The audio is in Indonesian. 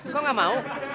kok gak mau